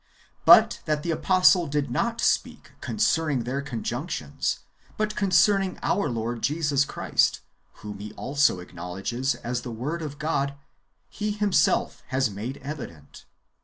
But that the apostle did not speak concerning their conjunctions, but con cerning our Lord Jesus Christ, whom he also acknowledges as the Word of God, he himself has made evident.